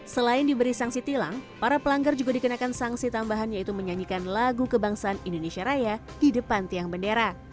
selain diberi sanksi tilang para pelanggar juga dikenakan sanksi tambahan yaitu menyanyikan lagu kebangsaan indonesia raya di depan tiang bendera